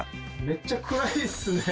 めっちゃ暗いですね。